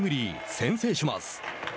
先制します。